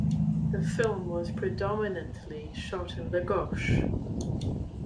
The film was predominantly shot in Lagos.